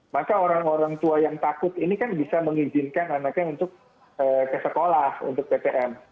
maka orang orang tua yang takut ini kan bisa mengizinkan anaknya untuk ke sekolah untuk ptm